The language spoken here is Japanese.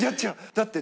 だって。